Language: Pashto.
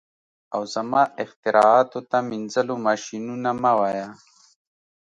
او زما اختراعاتو ته مینځلو ماشینونه مه وایه